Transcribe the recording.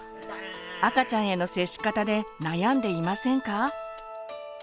赤ちゃんへの接し方で悩んでいませんか？